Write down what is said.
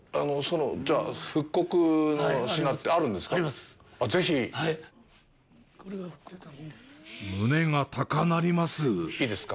じゃあ、その復刻の品ってあるんですか。